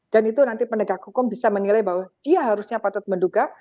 dan itu nanti penegak hukum bisa menilai bahwa dia harusnya patut menduga